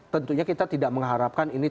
tentunya kita tidak mengharapkan ini